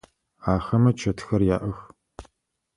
Ахэмэ чэтхэр яӏэх.